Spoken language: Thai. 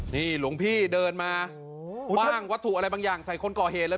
นี่หลวงพี่เดินมาโหว่าถูกอะไรบางอย่างใส่คนก่อเหนแล้ว